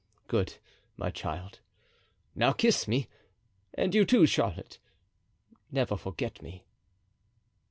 "Good, my child. Now kiss me; and you, too, Charlotte. Never forget me."